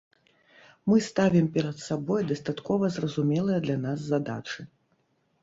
Мы ставім перад сабой дастаткова зразумелыя для нас задачы.